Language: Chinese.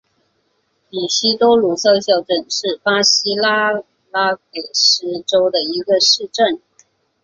伊西多鲁少校镇是巴西阿拉戈斯州的一个市镇。